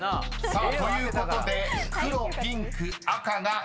［さあということで「黒」「ピンク」「赤」が出ました］